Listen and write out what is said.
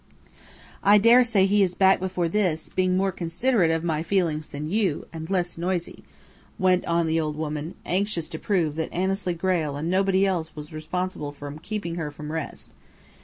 "I dare say he is back before this, being more considerate of my feelings than you, and less noisy," went on the old woman, anxious to prove that Annesley Grayle and nobody else was responsible for keeping her from rest.